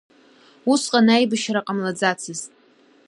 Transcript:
Усҟан аибашьра ҟамлаӡацызт.